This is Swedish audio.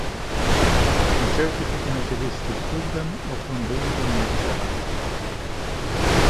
Från köket gick hon ut i visthusboden och från boden ned i källaren.